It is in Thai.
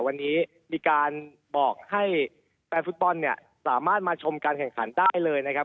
วันนี้มีการบอกให้แฟนฟุตบอลเนี่ยสามารถมาชมการแข่งขันได้เลยนะครับ